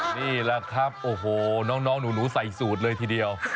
นี่แหละครับโอ้โหน้องหนูใส่สูตรเลยทีเดียว